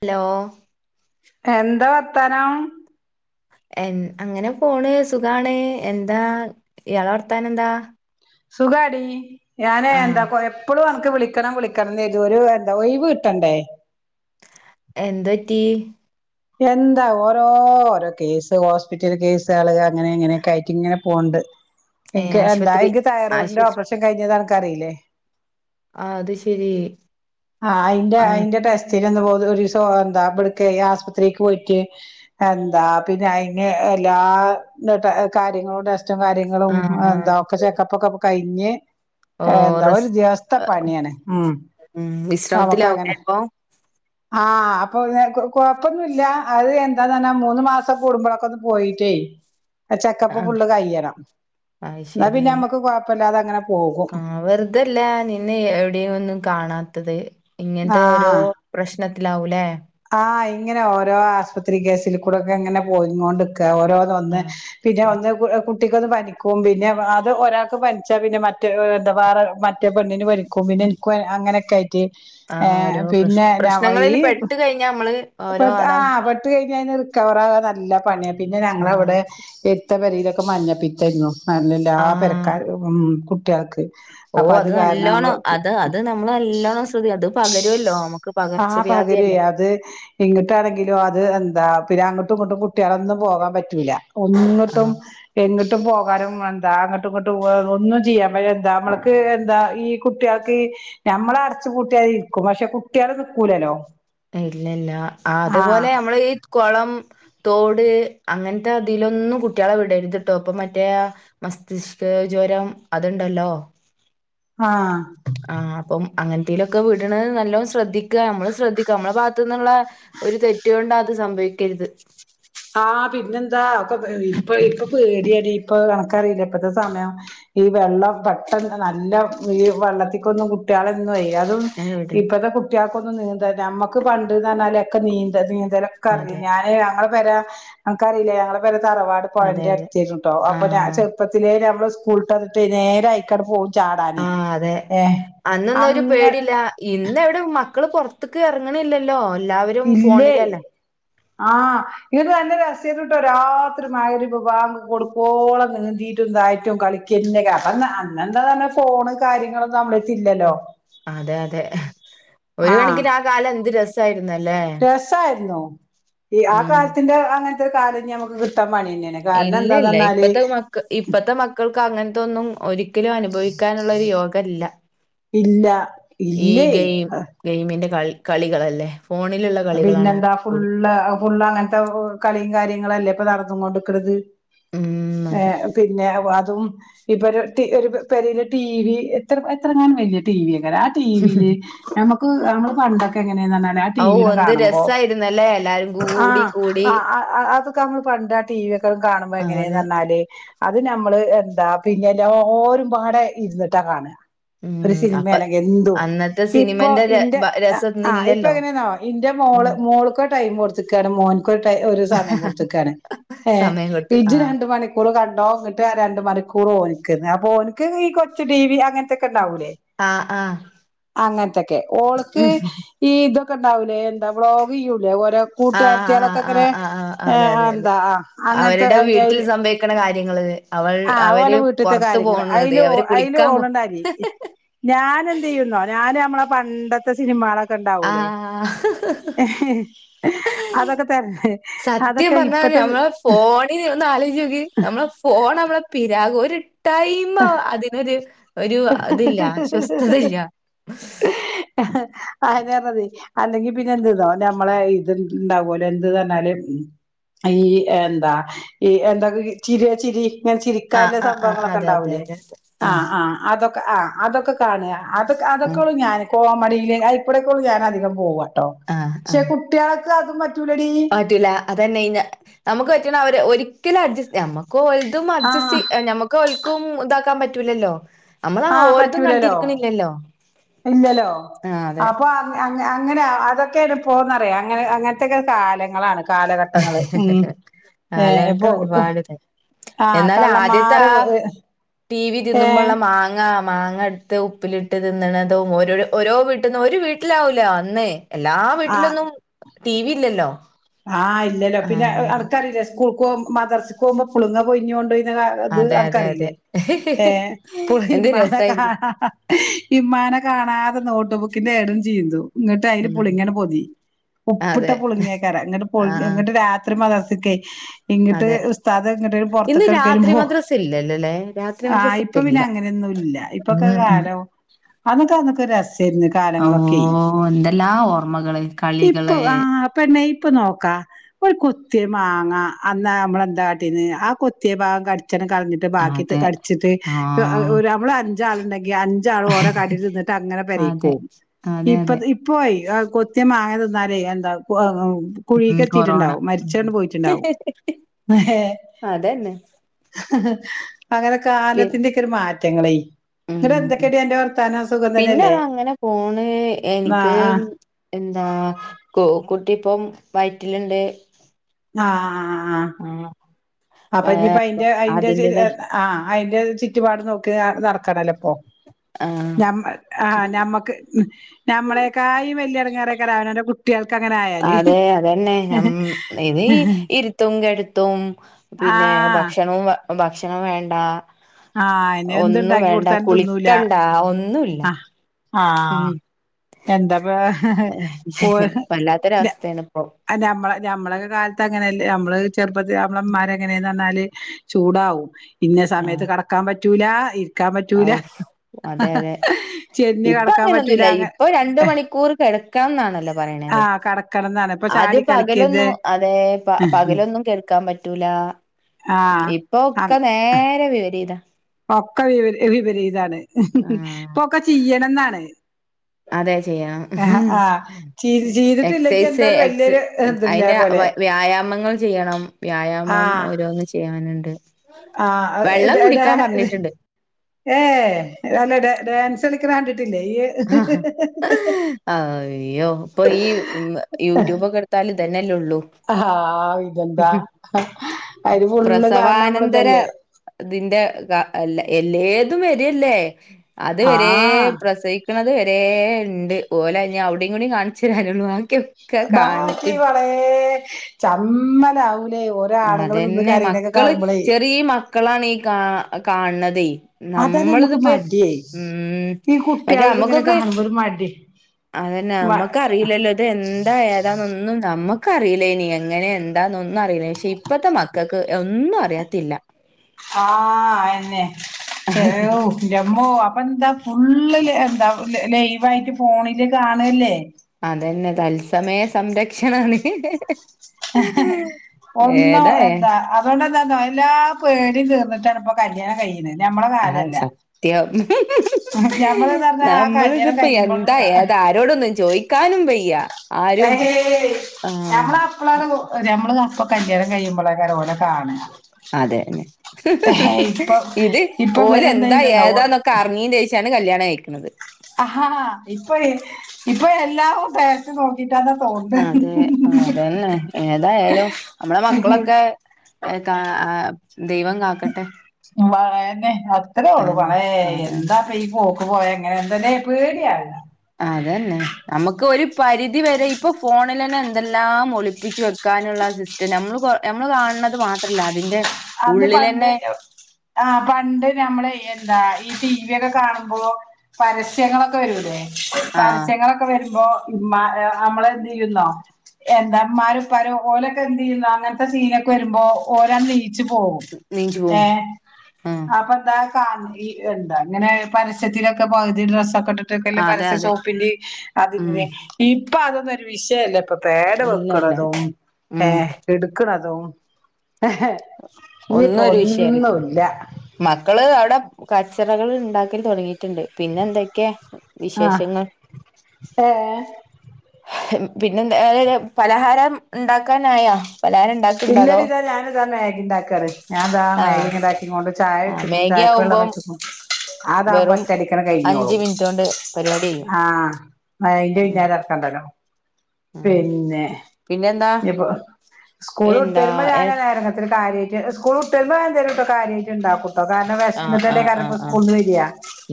Hello. എന്താ വർത്താനം. എ അങ്ങനെ പോണ് സുഖാണ്, എന്താ ഇയാടെ വർത്താനം എന്താ. സുഖാടീ ഞാനേ ആ എന്താ എപ്പളും അനക്ക് വിളിക്കണം വിളി ക്കണം എന്ന് കരുതും, ഒരു എന്താ ഒഴിവ് കിട്ടണ്ടേ. എന്തുപ്പറ്റി. എന്താ ഓരോ ഓരോ കേസ് ഹോസ്പിറ്റൽ കേസ്കള് അങ്ങനെ ഇങ്ങനെയൊക്കെ ആയിട്ട് ഇങ്ങനെ പോണ് ഉണ്ട്. ഏ എനിക്ക് എന്താ ആശുപത്രി എനിക്ക് തൈറോയിഡിന്റെ ആശുപത്രി ഓപ്പറേഷൻ കഴിഞ്ഞത് എനക്ക് അറിയില്ലേ. ആ അത് ശരി. ആ അയിന്റെ അങ്ങ് അയിന്റെ ടെസ്റ്റ്. പിന്നെ എന്നാ ഒരിസം എന്താ ഇവിട്ക്ക് ആശ്പത്രിക്ക് പോയിട്ട് എന്താ പിന്നെ അയിന് എല്ലാ കാര്യങ്ങളും ടെസ്റ്റും കാര്യങ്ങളും ആ എന്താ ഒക്കെ ശരി ചെക്കപ്പ് ഒക്കെ കഴിഞ്ഞ്. ഓ എന്താ റിസ് ഒരു ദിവസത്തെ പണിയാണ് ഉം ഉം. നമുക്ക് അങ്ങനെ വിശ്രാമത്തിലാവുല്ലേ ഇപ്പൊ. ആഹ് അപ്പൊ കൊഴപ്പൊന്നും ഇല്ല അത് എന്താന്ന്ന്നാ മൂന്ന് മാസം കൂടുമ്പോഴൊക്കെ ഒന്ന് പോയിട്ടേ. ചെക്കപ്പ് ആ ഫുള്ള് കഴിയണം, എന്നാ പിന്നെ നമ്മുക്ക് കുഴപ്പില്ലാതെ. ആഹ് വെറുതെയല്ല നിന്നെ എവിടെയും ഒന്നും കാണാത്തത്. ഇങ്ങനത്തെ ഓരോ ആഹ് പ്രശ്നത്തിലാവൂല്ലേ. ആഹ് ഇങ്ങനെ ഓരോ ആശുപത്രി കേസില് കൂടെക്കെ ഇങ്ങനെ പോയി കൊണ്ട് നിക്കാ. ഓരോന്ന് ആ ഒന്ന് പിന്നെ ശരി ഒന്ന് കുട്ടി കുട്ടിക്ക് ഒന്ന് പനിക്കും പിന്നെ അത് ഒരാൾക്ക് പനിച്ചാ പിന്നെ മറ്റേ എന്താ വേറെ മറ്റേ പെണ്ണിന് പനിക്കും പിന്നെ നക്ക് അങ്ങനെയൊക്കെ ആയിട്ട് ആ ഏർ ഓരോ പ്രശ്നം പിന്നൊ ഈ. പ്രശ്നങ്ങളിൽ പെട്ട് കഴിഞ്ഞാ നമ്മള് ഓരോ പെട്ട് ആ അതങ്ങനെ പെട്ട് കഴിഞ്ഞ അതിന്ന് റിക്കവർ ആവാ നല്ല പണിയാ. പിന്നെ ആ ഞങ്ങളവിടെ എടുത്ത പെരയിലൊക്കെ മഞ്ഞപ്പീത്തായിരുന്നു എല്ലാ ആ പെരക്കാർക്കും. ഓ അത് നല്ലോണം അത് അത് നമ്മൾ നല്ലോണം ശ്രദ്ധി അത് പകരുമല്ലോ? ആഹ് പകരുവേ അത് ഇങ്ങിട്ടാണെങ്കിലും അത് എന്താ പിന്നെ അങ്ങോട്ടും ഇങ്ങോട്ടും കുട്ടികളൊന്നും പോകാൻ പറ്റൂല്ല, ഒന്നിട്ടും ആഹ് എങ്ങിട്ടും. ഇട്ടും പോകാനും എന്താ അങ്ങോട്ടും ഇങ്ങോട്ട് പോ ഒന്നും ചെയ്യൻ പ എന്താ നമ്മക്ക് എന്താ ഈ കുട്ടികൾക്ക്. നമ്മള് അടച്ച് കൂട്ടിയാൽ ഇരിക്കും പക്ഷെ കുട്ടികള് നിക്കൂലല്ലോ. ഇല്ലല്ല ആഹ് അതേപോലെ നമ്മള് ഈ കുളം. തോട്, അങ്ങനത്തെ അതിലൊന്നും കുട്ടികളെ വിടരുതിട്ടോ അപ്പൊ മറ്റേ ആ മസ്തിഷ ക്കജ്വരം അതുണ്ടല്ലോ. ആഹ്. ആഹ് അപ്പം അങ്ങനെ ത്തിലൊക്കെ വിടണെ നല്ലോണം ശ്രദ്ധിക്കുക നമ്മള് ശ്രദ്ധിക്കുക നമ്മളെ ഭാഗത്തു നിന്നുള്ള ഒരു തെറ്റൊണ്ട് അത് സംഭയി ക്കരുത്. ആഹ് ആ പിന്നെന്താ ഒക്കെ ഇപ്പൊ ഇപ്പൊ പേടിയടി ഇപ്പൊ അനക്കറീല ഇപ്പത്തെ സമെയം ഈവെള്ളം പെട്ടെ നല്ലോംഈ വെള്ളത്തിക്കൊന്നും കുട്ടികളെയെന്നും ഏ യതും എവിടെ ഇപ്പത്തെ കുട്ടിക്കൊന്നും നീന്ത നമ്മക്ക് പണ്ട് എന്ന് പറഞ്ഞാല് ഒക്കെ നീന്ത നീന്ത ന്തലൊക്കെ അറിഞ്ഞീ അതെ ഞാനെ ങ്ങളെ പെര അനക്കറിലേ ഞങ്ങളെ പെര തറവാട് അതെ പൊഴന്റെ അതെ അടുത്താരുന്നൂട്ടോ അപ്പൊ ഞാൻ ആഹ് ചെറുപ്പത്തിലേ ഞമ്മള് സ്കൂള് വിട്ട് വന്നിട്ട് നേരെ ആയികാണ്ട് പോകും. ആ ആ അതെ അന്ന്ന്നൊ ഒരു അങ്ങ പേടില്ല ഇന്ന് എവി മക്കള് പുറത്ത്ക്ക് എറങ്ങ്ണില്ലല്ലോ. ഇല്ലേയ്, ആഹ് ഇത് നല്ല രസത്തില് ചെയ്തിട്ട് രാത്രി മഹ്‌രിബ് ബാങ്ക് കൊടുക്കോളം നീന്തീട്ടും തായിട്ടും കളിക്കെന്ന അന്നെന്ന് പറഞ്ഞ ഫോണ് കാര്യങ്ങളൊന്നും നമ്മളടത്ത് ഇല്ലല്ലോ. അതെ, അതെ ഹ് ഒരുകണകിന് ആ കാലം എന്ത് രസായിരുന്നു. രസായിര്ന്നോ ഈ ആ ഉം. കാൽത്തിന്റെ അങ്ങത്തെ രു കാലംഇനി നമുക്ക് കി ഇല്ലല്ല ഇപ്പത്തെ മക്ക ഇപ്പത്തെ മക്കൾക്ക് അങ്ങനത്തെൊന്നും ഒരി ഒരിക്കലും അനുഭവിക്കാനുള്ളൊരു യോഗല്ല ഇല്ല ഈ. ഇല്ലേ ഗെയിം ഗെയിമിന്റെ കളി കളികളല്ലേ ഫോണിലുള്ള കളികളാണ് പിന്നെന്താ കൂടി ഫുള്ള് ഫുള്ള് അങ്ങനത്തെ കളിയും കാര്യങ്ങളല്ലേ ഇപ്പൊ നടന്നും കൊണ്ട്ക്കുന്നത് ഉം ഏ അതെ. പിന്നെ അ തും ഇപെരു രു ടീ ഒരു പെരെല് ട്ടീവി എത്രങ്ങാനും വല്യ ട്ടീവി ആ ടിവിയില് നമ്മക്ക് നമ്മള് പണ്ടൊക്കെ എങ്ങനെയെന്നറിഞ്ഞാൽ ആ ടിവിടെ ന്ത് രസായിരുന്നു അല്ലേ അത് ആ ആ അ അ അതൊക്കെ നമ്മള് പണ്ട് ആ ടി വി ഒക്കെ കാണുമ്പോ ആഹ് എങ്ങനെയന്ന് അതെ. പറഞ്ഞാല് അത് ന നമ്മള് എന്താ പിന്നെ എല്ലാരും പാടെ ഇരുന്നിട്ടാ കാണ ഉം ഒരു അപ്പ സിൽമേണെങ്കി എന്തും അന്നത്തെ ഇപ്പൊ സിനിമന്റെ ര ഇന്റെ ബ രസം ആ ഇന്നില്ലല്ലോ. ഇപ്പൊഎങ്ങനെയെന്നൊ ന്റെ ഉം. മോള് മോൾക്കൊടൈം കൊടുത്തികാണ് മോൻക്കൊരു ഒരു സമയം കൊടുത്തികാണ് ഏ സമയം കൊടുത്ത് എജ്ജ് ആഹ് രണ്ട് മണിക്കൂർ കണ്ടോ ഇങ്ങിട്ട് ആ ര ണ്ട് മണികൂർ ഓൻക് അപ്പോ ഒന്ക്ക് ഈ കൊച്ച് ടിവി അങ്ങനതൊക്കെ ആ ആ അങ്ങത്തെക്കെ ഓൾക് ഈ ഇതൊക്കെ ണ്ടാവൂലേ എന്താ ബ്ലോഗ്യ്യൂലേ O ah ah കൂട്ടുരത്തിയാളൊക്കെങ്ങനെ ah ah ah A അതെ അ അതെ അതെ എന്താ ആ അങ്ങൻത്തെ അവരുടെ വീട്ടിൽ സംഭവിക്കണ കാര്യങ്ങള് അവൾ ആ അവര് ഓലെ വീട്ടിത്തെ പൊറത്ത് കാര്യങ്ങള് പോണത് അയില് അവര് ഓൾ കുളിക്കാൻ പോ ഓളണ്ടലിയി ഞാനെന്ത്യ്യുന്നോ ഞാനാമ്മളെ പണ്ടത്തെ സിനിമാളോക്കെ ണ്ടാവൂലേ ആഹ് ഹ് ഹേ ഹ് അതൊക്കെ തരനി സത്യം പറഞ്ഞാ നമ്മളെ ഫോണിൻ ഒന്ന് ആലോയിച്ചോക് നമ്മളെ ഫോൺ നമ്മളെ പിരാ ഒരു ടൈമ് അതിനൊരു ഒരു ഇതില്ല അശോസ്ഥത ഇല്ല ഹ്ഹ അ അതുനേരതി അല്ലെങ്കി പിന്നെ എന്ത്ന്നൊ നമ്മളെ ഇത് ഇണ്ടാവലോ എന്ത്ന്നർണല് ഈ എന്താ ഈ എന്തൊ ചിരി ചിരി ഇങ്ങനെ ആഹ് ചിരിക്കാനുള്ള ആഹ് ആഹ് സംഭവങ്ങളൊ അതെ അതെ അതെ ആഹ് ആ അതൊക്കെ ആ അതൊക്കെ കാണ ആഹ് അതൊക്കെള്ളൂ ഞാൻ കോമഡി ഇല്യ ഞാൻ ഇപ്പോടെകൊള്ളു ഞാന അധികം പോവ ആഹ് ആഹ പറ്റൂലടി പറ്റൂല അതന്നെ ഇഞ നമുക്ക്റ്റുണ ആ ഒരു ഒരി ഒരിക്കല അഡ്ജസ്റ്റ് ഞമ്മക്ക് ഒലതും അഡ്ജസ്റ്റ് ആഹ് യി ഞമക്ക് ഓൽകും താക്കാൻ പറ്റൂലല്ലോ നമ്മൾ ആ ഓല്തും കണ്ടിരിക്ണില്ലല്ലോ ഇല്ല്യലോഅപ്പൊ അങ്ങ അങ്ങ അങ്ങനെ ആ അതൊക്കെണ് പോന്നറിയാ അങ്ങനെ അങ്ങൻത്തൊക്കെ കാലങ്ങളാണ് ഹ് കാലഘട്ടങ്ങള് ഹ് ഉം ഹ് ഏ കാലഘട്ടം ഇപ്പൊ ഒരുപാട്ണ്ട് ആ എന്നാൽ ആദ്യത്തെ ആ കള്ളന്മാരെ ടി വി ഏ തിന്നുമ്പോള്ള മാങ്ങാ മാങ്ങ എടുത്ത് ഉപ്പിലിട്ട് തിന്നണതും ഓരോ ഓരോ വീട്ടിൽന്നും ഒരു വീട്ടിലാവൂലോ അന്ന് എല്ലാ ആ വീട്ടിലൊന്നും ടി വി ഇല്ലല്ലോ ആഹ ഇല്ലല്ലോ പിന്നെ ആഹ് അൻക്കറില്ലേ സ്കൂൾക്ക് പോകുമ്പോ മദർസിക്ക് പോകുമ്പോ പുളിങ്ങ പൊയിഞൊണ്ടയ്‌ അത് അതെ അതെ അതെ അൻക്കറില്ലേ ഏ പ്പൊളും എന്ത് ഇമ്മാനെ രസായിരുന്നു കാണാ ഇമ്മാനെ കാണാതെ നോട്ട്ബുക്ക് പിന്നേടന്ന് ചീന്തും നട്ട് അയില് ഉം പുളിങ്ങട് പൊതിം ഉപ്പിട്ട അതെ പുളിങ്ങ ഇ് പൊള ആഹ് ങ്ങട്ട് രാത്രി മദർസിക്കയ് ങ്ങിട്ട് അതെ ഉസ്താദ് എങ്ങട്ടെ ഇന്ന് പൊറത്തൊക്കെടുക്കേലും രാത്രി പോ മദ്രസ ഇല്ലല്ലോല്ലേ രാത്രി ആ മദ്രസ ഇപ്പ ഇപ്പൊ പിന്നെ ഇല്ല അങ്ങനെയൊന്നു മില്ല ഉം ഇപ്പൊക്കെ ഉം കാലോ അതൊക്കെ ന്നൊക്കെ ക്കെ രസേരുന്നു ഓ കാലങ്ങളൊക്കെയി എന്തെല്ലാ ഓർമ്മകള് ഇപ്പൊ കളികള് ആ ആപെണ്ണേ ഇപ്പ നോക്കാ ഒരു കൊത്തിയ മാങ്ങാ അന്നമ്മളെന്താട്ടീന്ന് ആ കൊത്തിയെ ഭാഗം കടി ച്ച്നും കളഞ്ഞിട്ട് ബാക്കി അതെ കടിച്ചിട്ട് ആഹ് ഒരു നമ്മള് അഞ്ചാളുണ്ടെങ്കി അഞ്ചാൾ ഓരോ കടിം തിന്നിട്ട് അങ്ങനെ അതെ പെരീകൊവും അതെ ഇപ്പോ അതെ ഇപ്പോയി കോത്തിയ മാങ്ങ തിന്നലെ ന്താ ഉം കൊറോണ കുഴികെത്തിട്ടുണ്ടാവും ഉം മരിചാണ്ട് പോയിട്ടുണ്ടാവും ഹ അതന്നെ ഹ അങ്ങനെ പി കാലത്തിന്റെക്കെ ഒരു മാറ്റങ്ങളേ ഇങ്ങട്ട് ഉം എന്തൊക്കെടി അന്റെ വർത്താനം സുഖം പിന്നെ തന്നെയല്ലേ അത് അങ്ങനെ പോണ് ആ എനിക്ക് ആ എന്താ കു കുട്ടി ഇപ്പം വയറ്റില്ണ്ട് ആ ആ ആഹ് അപ്പൊ ഇനിയിപ്പ അയിന്റെ അയിന്റെ അതിന്റേതായി ആഹ് അയിന്റെ ചുറ്റുപാട് നോക്കി നടക്കണല്ലോ ഒ ആഹ് നമ്മക്ക് നമ്മക്ക് നമ്മളെക്കായ് വല്യേട ങ്ങാറായ്ക്കാരും അവാനാന്റെ കുട്ടിയാൾക്ക് അതെ അതന്നെ ഞമ് ഇത് ഇരുത്തും കെടത്തും ആ പിന്നെ ഭക്ഷണവും ഭക്ഷണം വേണ്ട ആ അയിന് ഒന്നും എന്തുണ്ടാക്കി വേണ്ട കൊടുത്താലും കുളിക്കണ്ട ഒന്നുല്ല ഉം ആഹ് എന്താപ്പ ഹ് ഓര് വല്ലാത്തൊരവസ്ഥയാണ് ഇപ്പൊ നമ്മള ഞമ്മളക്കെ കാലത്ത് ങ്ങനല്ലേ നമ്മള് ചെറുപ്പത്തി നമ്മള മ്മാരങ്ങനെന്ന് പറഞ്ഞാല് ചൂടാവും ഇന്ന സമയത്ത് ആഹ് [unintelligible] ൻ പറ്റൂല ഇ ഔ അതെ അതെ ചെരിഞ്ഞ് ഇപ്പ കടക്കാൻ പറ്റൂല അങ്ങനൊന്നുല്ല ഇപ്പൊ അങ്ങ രണ്ട് മണിക്കൂർ കെട ക്കണന്നാല്ലോ പറയണത് ആഹ് കടക്കണംന്നാണ് ഇപ്പൊ ചാടി അദ്യം കളിക്കരുത് പകലൊന്നും അതേ പകലൊന്നും കെട ക്കാൻ പറ്റൂല ആഹ് ഇപ്പൊ ഒക്കെ ആഹ് നേരെ വിവരീതാ ഒക്കെ വിപ വിപരീതാണ് ആഹ് ഇപ്പൊക്കെ ചെയ്യണംന്നാണ് അതെ ചെയ്യണം ആഹ് ചെയ് ചെയ്തിട്ടില്ലെങ്കി എന്തോ എക്സൈസ് ഒരു എക്സ് വല്യൊരു ഇതില്ലേ അതിന്റെ വ പോലെ വ്യായാമങ്ങൾ ചെയ്യണം വ്യായാമം ഓരോന്ന് ചെയ്യാനുണ്ട് ആ ഹ വെള്ളം ദേ ദെ കുടിക്കാൻ പറഞ്ഞിട്ടുണ്ട് ഏ നല്ല ഡാൻ ഡാൻസളിക്കണണ്ടി ഹ അയ്യോ ഇപ്പൊ ഈ യൂട്യൂബൊക്കെ എടുതാ -ല് ഇതന്നെല്ലേ ഉള്ളൂ ഹാ പിന്നെന്താ അയ്ല് ഫുള്ള് കാണണമ്മള് പ്രസവാനന്തര ഇതല്ലേ ഇതിന്റെ അല്ല എല്ലേതും വരല്ലേ അത് വരെ ആഹ് പ്രസവിക്കണത് വരെ ണ്ട് ഓലെ ഞ് അവിടിം കൂടിം കാണിച്ചു തരാനുള്ളൂ ബാക്കി ഒക്കെ ബാക്കി വളേ ചമ്മലാവും അതന്നെ മക്കള് ചെറിയ മക്കളാണ് ഈ കാ കാണണതേയ് അതാണ് നമ്മക്ക് നമ്മളിതിപ്പ മടിയേ ഉം ഈ മറ്റേ കുട്ടികൾക്ക് ഇങ്ങനെ നമ്മക്കൊക്കെ കാണുമ്പോ ഒരു മടി അതന്നെ മ നമ്മക്ക് അറിയില്ലല്ലോ ഇത് എന്താ ഏതാന്നൊന്നും നമ്മക്ക് ക്കറിയില്ലാനി എങ്ങനെ എന്താന്നൊന്നും അറിയില്ലേനി അറിയത്തില്ല ആഹ് അതന്നെ [unintelligible] ന്റെമ്മോ അപ്പ എന്ത ഫുള്ള് എന്താ ലൈവ് ആയിട്ട് ഫോണിൽ കാണുഅല്ലേ അതന്നെ തത്സമയ സംരക്ഷണാണ് ഒന്നും ഏതായ എന്താ അതുകൊണ്ടന്താന്നോ എല്ലാ പേടിയും തീർന്നിട്ടാണ്പ്പ കല്യാണം കയി ആ സത്യം ഞമ്മള്ന്ന് പറഞ്ഞാ ആ കല്യാണം നമ്മൾതിപ്പോ കഴിയുമ്പോ എന്താ ഏതാ ആരോടൊന്നും ചോയിക്കാനും വയ്യ ആരും ഏയ് ആഹ് നമ്മൾ അപ്പോളാണ് നമ്മൾ അപ്പോ കല്യാണം കയുമ്പോൾ ആക്കാരും ഓനെ അതെന്നെ ഇപ്പൊ ഇത് ഇപ്പൊ ഓലെ ഇവരെന്താ എന്താ ചെയ്യ്ണെന്നോ ഏതാന്നൊക്കെ അ റിഞ്ഞിന് ശേഷാണ് കല്യാണം കയ്ക്ക ആഹാ ഹാ ഇപ്പൊ ഇപ്പൊ എല്ലും തേർച്ച നോക്കി അതെ അതന്നെ ഏതായാലും നമ്മള മക്കളൊക്കെ ഏ കാ ആ ദൈവം കാക്കട്ടെ വനെ അത്രേ ഉള്ളു അതെ വഴ അതെ എന്താ പെയയ് പോ പോയ എങ്ങനെ എന്തന പേടിയോ അതന്നെ നമുക്ക് ഒരു പരിധി വരെ ഇപ്പൊ ഫോണിൽന്നെ എന്തെല്ലാം ഒളിപ്പിച്ച് വെക്കാ ക്കാനുള്ള സിസ്റ്റം നമ്മള് നമ്മള് കാണുന്നത് മാത്രല്ല അതിന്റെ അത് പണ്ട് ഉള്ളിലന്നെ ആഹ പണ്ട് നമ്മള എന്താ ഈ ടി വി ഒക്കെ കാണുമ്പോ പരസ്യങ്ങളൊക്കെ വരൂലേ ആ പരസ്യങ്ങളൊക്കെ വരും. അപ്പ നമ്മള എന്ത് ചെയ്യുന്നോ എന്താ ഉമ്മാരെ ഉപ്പരെ ഓരൊക്കെ എന്ത് ചെയ്യുന്നു അങ്ങനത്തെ സീനൊക്കെ വരുമ്പോ ഓരാ അടിച്ചു പോവും നീച്ചു ഏ പോവും ഉം ഹപ്പൊ എന്താ എന്താ അങ്ങനെ പരസ്യത്തിലൊക്കെ പകുതി ഡ്രസ്സ് ഒക്കെ ണ്ടില്ല അതെ പരസ്യ അതെ സോപ്പിന്റെ അതി ഉം ഇപ്പൊ അതൊന്നും ഒരു വിഷയല്ല. ഇപ്പൊ പാഡ് ഇല്ല ഇല്ല വെക്കുന്നതും ഏ ഉം എടുക്കണതും ഒന്നും ഇനിയിപ്പോ ഒരു വിഷയല്ല ഒന്നുല്ല മക്കള് അവിടെ കച്ചിറകൾ ഉണ്ടാക്കൻ തുടങ്ങിയിട്ടുണ്ട് പിന്നെ എന്തൊക്കെ ആഹ ഏ പിന്നെ എന്ത പലഹാരം ഉണ്ടാക്കാനായാ പലഹാരം ഉണ്ടാക്കണ്ടോ അതോ ഇല്ലടി ഇതാ ഞാൻ ഇതാ മാഗ്ഗി ഉണ്ടാക്കാണ് ഞാനൻതാ മേഗി ആഹ് ഉണ്ടാക്കി കൊണ്ട് ചായ ആ വെക്കും മാഗി ചായക്ക് വെള്ളം ആവുമ്പം വച്ച് ക്ക്ണു അതാകുമ്പോ വെറും ഒറ്റടിക്കണം അഞ്ച് കഴിഞ്ഞോളും മിനിറ്റ് കൊണ്ട് പരിപാടി കഴിയും ആഹ അതിന്റെ ഉം വിചാരം ഇറക്കണ്ടല്ലോ ഉം പിന്നെ പിന്നെന്താ ഇപ്പൊ സ്കൂൾ എന്താ വിട്ടരുമ്പോ ഞാൻ ആഹ് നേരത്തെ കാര്യമായിട്ട് സ്കൂൾട്ടരുമ്പോ ഞന്തരോട്ട് കാര്യമായിട്ട്ണ്ടാക്കും ആഹ ആഹ് ആഹ് ആഹ്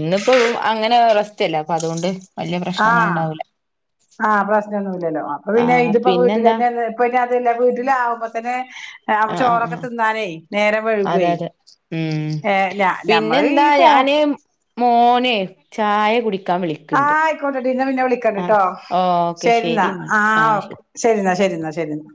ഇന്നിപ്പോൊ അങ്ങനെ റസ്റ്റ് അല്ലേ അപ്പൊ അതുകൊണ്ട് വലിയ അ പ്രശ്നങ്ങൾ ഉണ്ടാവൂല അ പ്രശ്നന്നുമല്ലല്ലോ അപ്പൊ ആ പിന്നെ ഇതിപ്പോ പിന്നെന്താ വീട്ടില്ന്നെ ഇപ്പ അതല്ല വീട്ടില ആകുമ്പ തന്നെ ആ ആ ചോറൊക്കെ ആ തിന്നാനേ നേരം അതെ വൈകവേ അതെ നമ്മൾ ഇ ഞാനേ മോനെ ചായെ കുടി ആഹ ആയിക്കോട്ടെട്ട ഇന്നെ പിന്നെ വിളിക്കണ്ട ആഹ് കേട്ടോ ഓക്കെ ശരി എന്നാ ആഹ ആഹ് ശരി ഓക്കെ ശരിന്നാ ശരിന്നാ ശരിന്നാ